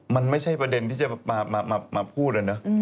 มันไม่ใช่ประเด็นที่จะมาพูดเลยนะ